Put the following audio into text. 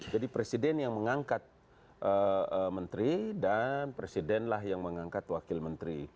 jadi presiden yang mengangkat menteri dan presiden lah yang mengangkat wakil menteri